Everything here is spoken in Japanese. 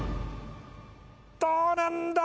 どうなんだ？